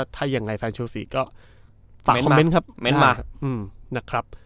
ถ้ายังไงแฟนเชลซีก็ฝากคอมเมนต์ครับ